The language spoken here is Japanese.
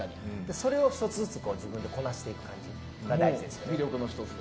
それを１つずつ自分でこなしていく感じが大事ですね。